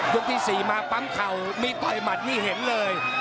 ที่๔มาปั๊มเข่ามีต่อยหมัดนี่เห็นเลย